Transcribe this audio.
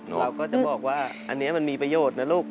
เราก็จะบอกว่าอันนี้มันมีประโยชน์นะลูก